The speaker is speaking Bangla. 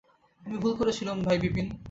আমি ভুল করেছিলুম ভাই বিপিন!